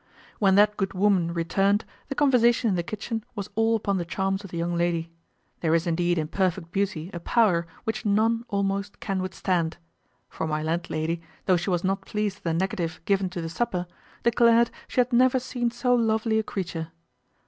When that good woman returned, the conversation in the kitchen was all upon the charms of the young lady. There is indeed in perfect beauty a power which none almost can withstand; for my landlady, though she was not pleased at the negative given to the supper, declared she had never seen so lovely a creature.